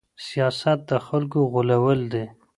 سياست د خلکو غولول دي.